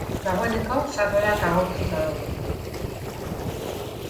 Dagoneko sarrerak agortuta daude.